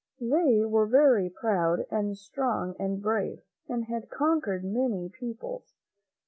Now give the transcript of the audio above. They were very proud and strong and brave, and had conquered many peoples.